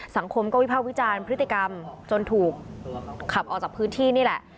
สังคมก็วิภาควิจารณ์พฤติกรรมจนถูกขับออกจากพื้นที่นี่แหละ